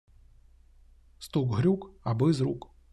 Стук-грюк, аби з рук.